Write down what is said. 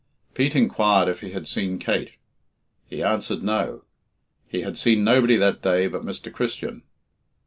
Pete inquired if he had seen Kate. He answered no; he had seen nobody that day but Mr. Christian.